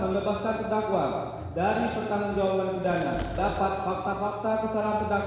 melepaskan kedakwaan dari pertanggung jawab mendana dapat fakta fakta ke salah sedang